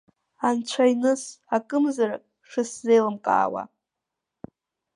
Анцәаиныс акымзарак шысзеилымкаауа!